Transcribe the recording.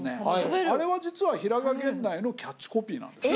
あれは実は平賀源内のキャッチコピーなんです。